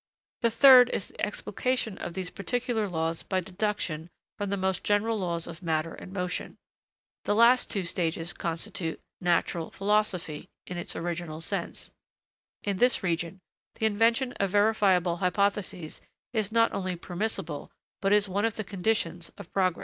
The third is the explication of these particular laws by deduction from the most general laws of matter and motion. The last two stages constitute Natural Philosophy in its original sense. In this region, the invention of verifiable hypotheses is not only permissible, but is one of the conditions of progress.